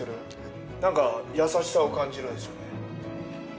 なんか優しさを感じるんですよね。